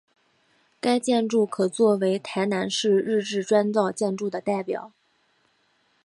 该建筑可做为台南市日治砖造建筑的代表。